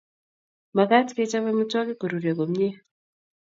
Magat kechob amitwogik koruryo komie